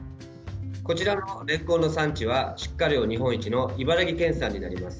こちらのれんこんの産地は出荷量日本一の茨城県産になります。